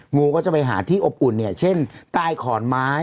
งูก็จะไปหาที่อบอุ่นเนี่ยเช่นใต้ขอนไม้